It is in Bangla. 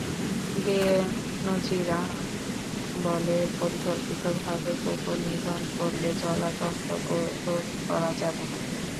বে-নজীর আহমেদ বলে, অপরিকল্পিতভাবে কুকুর নিধন করলে জলাতঙ্ক রোধ করা যাবে না।